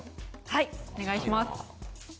はいお願いします。